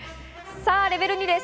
さぁレベル２です。